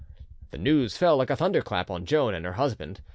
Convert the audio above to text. The news fell like a thunder clap on Joan and her husband.